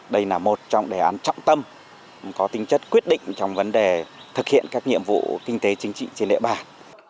đây là một trong đề án trọng tâm có tính chất quyết định trong vấn đề thực hiện các nhiệm vụ kinh tế chính trị trên địa bàn